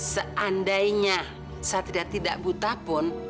seandainya satria tidak buta pun